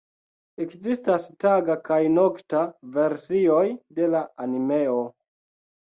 Ekzistas taga kaj nokta versioj de la animeo.